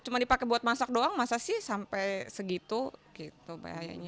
cuma dipakai buat masak doang masa sih sampai segitu gitu bahayanya